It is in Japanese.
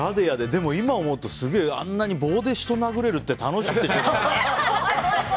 でも今思うとあんなに棒で人を殴れるって楽しくてしょうがない。